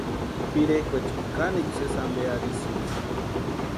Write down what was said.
Pirekwaecha kanikwa sési ampe arhisïnti.